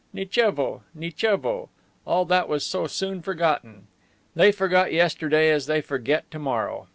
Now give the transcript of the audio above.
Nichevo! Nichevo! All that was so soon forgotten. They forgot yesterday as they forget to morrow.